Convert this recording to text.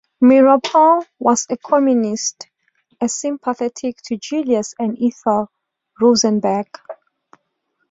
Meeropol was a communist and sympathetic to Julius and Ethel Rosenberg.